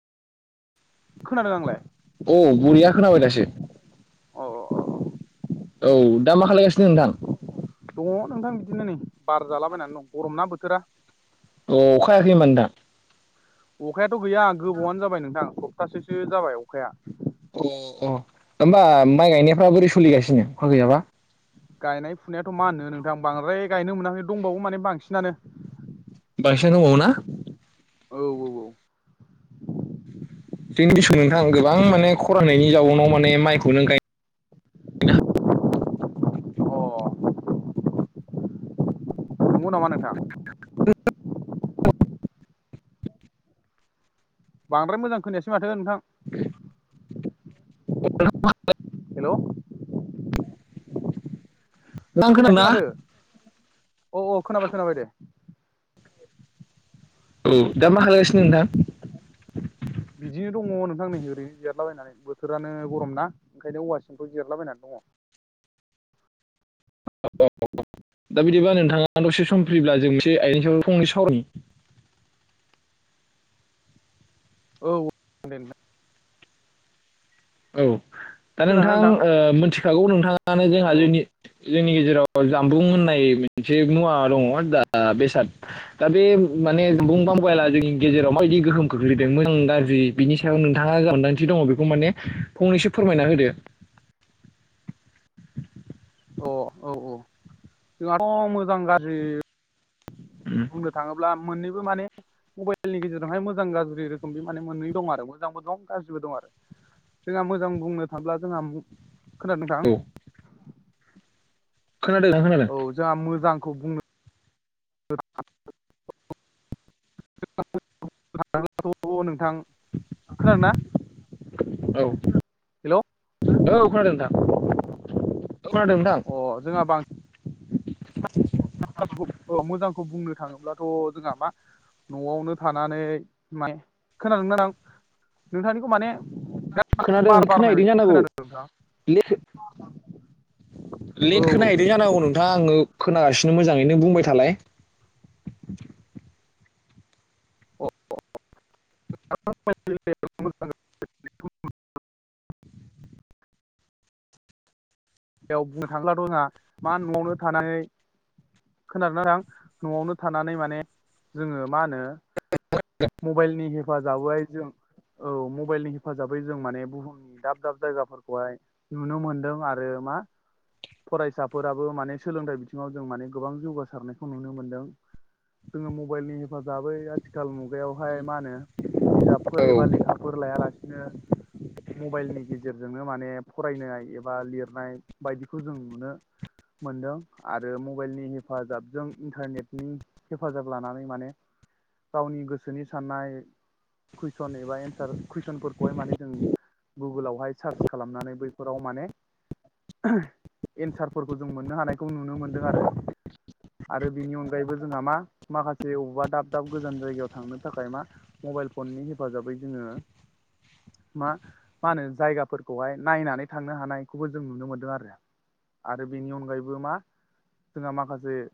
खोनादों आंलाय अ बरिया खोनाबाय दासो अ औ दा मा खालायगासिनो नोंथां? दङ नोंथां बिदिनो नै बार जालाबायनानै दं गरमना बोथोरा। अ अखा हायाखै होमबा नोंथां। अखायाथ' गैया गोबावानो जाबाय नोंथां सप्तासेसो जाबाय अखाया। अ अ होमबा माइ गायनायफ्रा बोरै सोलिगासिनो अखा गैयाबा? गायनाय फुनायाथ' मा होनो नोंथां बांद्राय गायनो मोनाखै दंबावो माने बांसिनानो बांसिन दंबावोना? औ औ औ। जोंनि बिसु नोंथाङा गोबां माने खरनायनि जाउनाव माने माइखौनो गायनो औ अ नोंगौ नामा नोंथां? बांद्राय मोजां खोनायासै माथो नोंथां। [unintelligible] हेल' नोंथां खोनायासै खोनादोंना माथो अ अ खोनाबाय खोनाबाय दे। औ दा मा खालामगासिनो नोंथां? बिदि दङ नोंथां नै ओरै जिरलाबायनानै बोथोरानो गरम ना ओंखायनो औवा सिंफोराव' जिरलाबायनानै दङ। [inaudible] [unintelligible] दा बिदिबा नोंथाङा दसे सम फ्रिब्ला जों एसे आइदानि सायाव फंनै सावरायनि। [inaudible] औ। औ दा नोंथां मिथिखागौ नोंथां। जोंहा अ जोंनि जोंनि गेजेराव जामबुं होननाय मोनसे मुवा दङ दा बेसाद दा बे माने बुंबां गला जोंनि गेजेराव दि गोहोम खोख्लैदों मोजां गाज्रि बिनि सायाव नोंथाङा जा मोन्दांथि दङ बेखौ माने फंनैसो फोरमायना होदो। अ औ औ जोंहाथ' मोजां गाज्रि बुंनो थाङोब्ला मोननैबो माने मबाइलनि गेजेरजोंहाय मोजां गाज्रि रोखोम बे माने मोननै दं आरो मोजांबो दं गाज्रिबो दं आरो। जोंहा मोजां बुंनो थांब्ला जोंहा खोनादों नोंथां औ खोनादों नोंथां औ जोंहा मोजांखौ बुंनो [unintelligible] थ' नोंथां खोनादोंना? औ। हेलौ। औ खोनादों नोंथां। खोनादों नोंथां अह जोंहा बांसिन [inaudible] औ मोजांखौ बुंनो थाङोब्लाथ' जोंहा मा न'आवनो थानानै माने खोनादों ना आं नोंथांनिखौ माने खोनादों बार बारनाय खोनाहैदों बायदि जानांगौ खोनादों नोंथां ल औ लेट खोनाहैदों जानांगौ नों थां ङो खोनागासिनो मोजाङैनो बुंबाय थालाय। [unintelligible] जायाव बुंनो थांब्लाथ' जोंहा मा न'आवनो थानानै खोनादों ना नोंथां न'आवनो थानानै माने जोङो मा होनो मबाइलनि हेफाजाबै जों औ मबाइलनि हेफाजाबै जों माने बुहुमनि दाब दाब जायगाफोरखौहाय नुनो मोनदों आरो रो मा फरायसाफोराबो माने सोलोंथाइ बिथिङाव जों माने गोबां जौगासारनायखौ नुनो मोनदों। जोङो मबाइलनि हेफाजाबै आथिखाल मुगायावहाय मा होनो। बिजाबफोर औ एबा लेखाफोर लायालासिनो मबाइलनि गेजेरजोंनो माने फरायनाय एबा लिर नाय बायदिखौ जों नुनो मोनदों आरो मबाइलनि हेफाजाबजों इन्टारनेटनि हेफाजाब लानानै माने गावनि गोसोनि साननाय कुइसन एबा एन्सार कुइसनफोरखौहाय माने जों गुगोलावहाय सार्च खालामनानै बैफोराव माने एन्सारफोरखौ जों मोननो हानायखौ नुनो मोनदों आरो। आरो बिनि अनगायैबो जोंहा मा माखासे बबेबा दाब दाब गोजान जायगायाव थांनो थाखाय मा मबाइल फननि हेफाजाबै जोङो मा मा होनो जायगाफोरखौहाय नायनानै थांनो हानायखौबो जों नुनो मोनदों आरो आरो बेनि अनगायैबो मा जोंहा माखासे